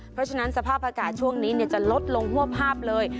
เพราะฉะนั้นสภาพอากาศช่วงนี้จะลดลงทั่วภาพเลย